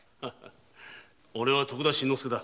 おれは徳田新之助だ。